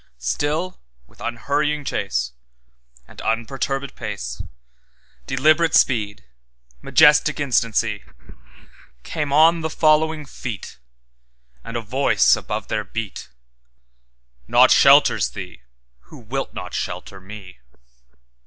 Still with unhurrying chase, And unperturbèd pace, Deliberate speed, majestic instancy, Came on the following Feet, And a Voice above their beat—'Naught shelters thee, who wilt not shelter Me.